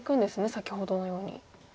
先ほどのように。